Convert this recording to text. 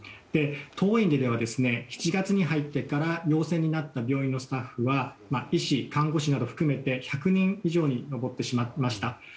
当院では、７月に入ってから陽性になった病院のスタッフは医師、看護師など含めて１００人以上に上ってしまいました。